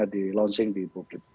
di launching di publik